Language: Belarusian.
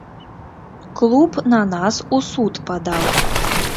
Клуб на нас у суд падаў.